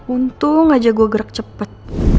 untung aja gua gerak cepet